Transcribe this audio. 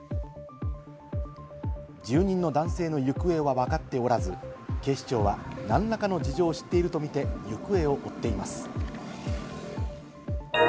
住人の男性の行方はわかっておらず、警視庁は何らかの事情を知っているとみて行方を追っています。